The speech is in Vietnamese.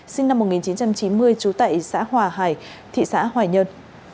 sinh năm một nghìn chín trăm chín mươi trú tại xã hòa hải thị xã hoài nhơn